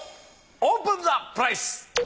オープンザプライス。